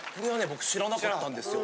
僕知らなかったんですよ。